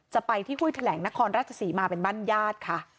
จะไปที่ห้วยแถลงนครราชศรีมาเป็นบ้านญาติค่ะ